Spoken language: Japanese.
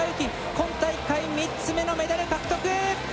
今大会３つ目のメダル獲得！